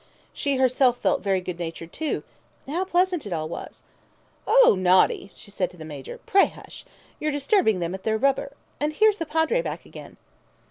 She herself felt very good natured, too. How pleasant it all was! "Oh, naughty!" she said to the Major. "Pray, hush! you're disturbing them at their rubber. And here's the Padre back again!"